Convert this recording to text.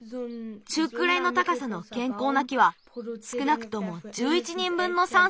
中くらいのたかさのけんこうな木はすくなくとも１１にんぶんのさん